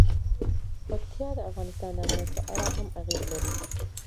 پکتیا د افغانستان د امنیت په اړه هم اغېز لري.